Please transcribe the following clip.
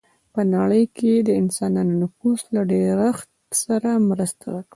په نړۍ کې یې د انسانانو نفوس له ډېرښت سره مرسته وکړه.